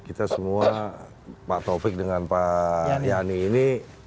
kita semua pak taufik dengan pak yani ini